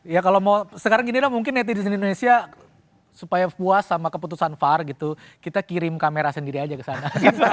ya kalau mau sekarang ginilah mungkin netizen indonesia supaya puas sama keputusan var gitu kita kirim kamera sendiri aja ke sana